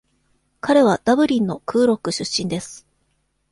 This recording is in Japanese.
彼はダブリンのクーロック出身です。